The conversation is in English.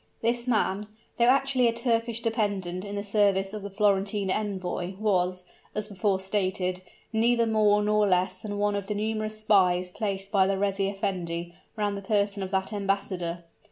This man, though actually a Turkish dependent in the service of the Florentine Envoy, was, as before stated, neither more nor less than one of the numerous spies placed by the reis effendi round the person of that embassador.